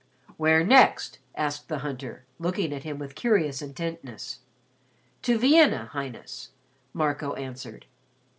"Where next?" asked the hunter, looking at him with curious intentness. "To Vienna, Highness," Marco answered.